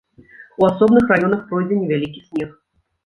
У асобных раёнах пройдзе невялікі снег.